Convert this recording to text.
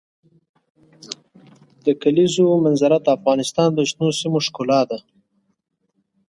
د کلیزو منظره د افغانستان د شنو سیمو ښکلا ده.